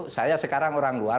saya sekarang orang luar